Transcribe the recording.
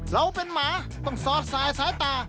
เราเป็นหมาต้องสอดสายสายตา